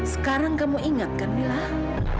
sekarang kamu ingat kamilah